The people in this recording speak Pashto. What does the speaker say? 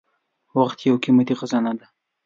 • وخت یو قیمتي خزانه ده.